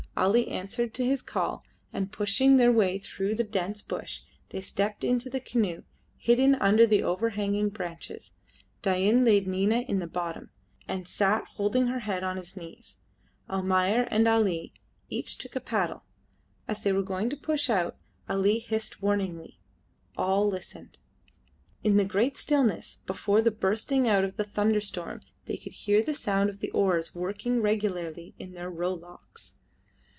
Ali answered to his call, and, pushing their way through the dense bush, they stepped into the canoe hidden under the overhanging branches. Dain laid Nina in the bottom, and sat holding her head on his knees. Almayer and Ali each took up a paddle. As they were going to push out Ali hissed warningly. All listened. In the great stillness before the bursting out of the thunderstorm they could hear the sound of oars working regularly in their row locks.